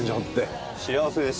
幸せです。